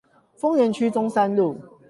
豐原區中山路